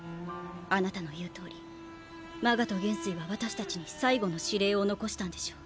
あなたの言うとおりマガト元帥は私たちに最後の指令を遺したんでしょう。